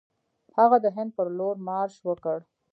هغه د هند پر لور مارش وکړ.